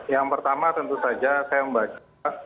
yang pertama tentu saja saya membaca